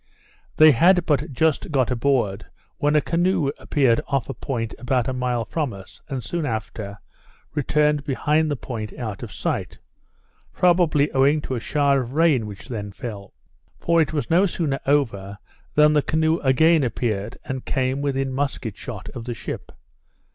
They had but just got aboard, when a canoe appeared off a point about a mile from us, and soon after, returned behind the point out of sight, probably owing to a shower of rain which then fell; for it was no sooner over, than the canoe again appeared, and came within musket shot of the ship.